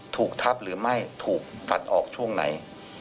ถูกทับหรือไม่ถูกตัดออกช่วงไหน